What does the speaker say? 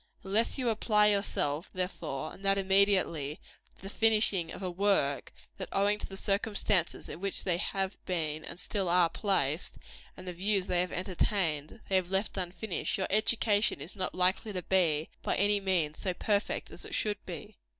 Unless you apply yourself, therefore and that immediately to the finishing of a work, that, owing to the circumstances in which they have been and still are placed, and the views they have entertained, they have left unfinished, your education is not likely to be, by any means, so perfect as it should be.